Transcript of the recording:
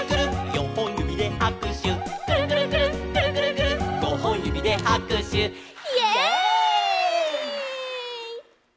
「よんほんゆびではくしゅ」「くるくるくるっくるくるくるっごほんゆびではくしゅ」イエイ！